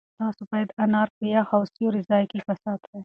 تاسو باید انار په یخ او سیوري ځای کې وساتئ.